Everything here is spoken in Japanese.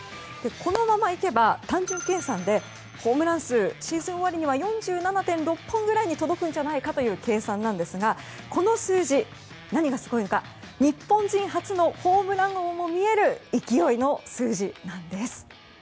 このままいけば、単純計算でホームラン数、シーズン終わりに４７．６本くらいに届くんじゃないかという計算なんですがこの数字、何がすごいのか日本人初のホームラン王も見える勢いの数字なんです。